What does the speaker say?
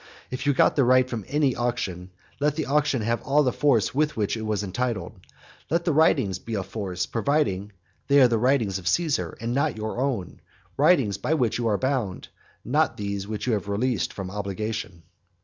If you got the right from any auction, let the auction have all the force to which it is entitled; let writings be of force, provided they are the writings of Caesar, and not your own; writings by which you are bound, not those by which you have released yourself from obligation.